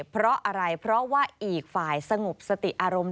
เพราะอะไรเพราะว่าอีกฝ่ายสงบสติอารมณ์